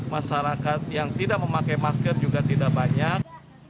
masyarakat yang tidak memakai masker juga tidak banyak